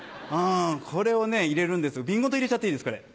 これを入れるんですよ瓶ごと入れちゃっていいですこれ。